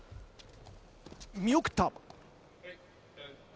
見送った。